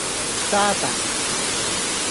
咋喳